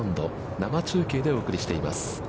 生中継でお送りしています。